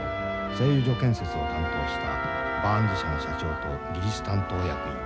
製油所建設を担当したバーンズ社の社長と技術担当役員